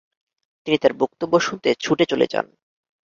তিনি তার বক্তব্য শুনতে ছুটে চলে যান।